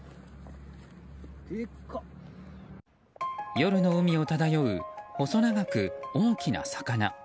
夜の海を漂う細長く、大きな魚。